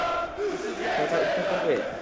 সরকার উৎখাত করবে?